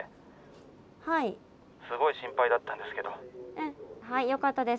うんはいよかったです。